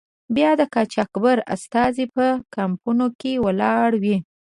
بیا د قاچاقبر استازی په کمپونو کې ولاړ وي.